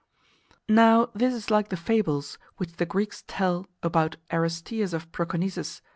Now this is like the fables which the Greeks tell about Aristeas of Proconnesus!